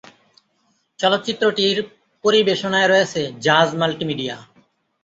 চলচ্চিত্রটির পরিবেশনায় রয়েছে জাজ মাল্টিমিডিয়া।